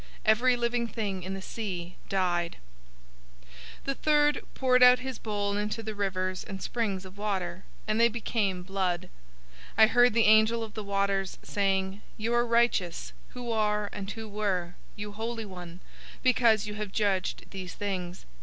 Every living thing in the sea died. 016:004 The third poured out his bowl into the rivers and springs of water, and they became blood. 016:005 I heard the angel of the waters saying, "You are righteous, who are and who were, you Holy One, because you have judged these things.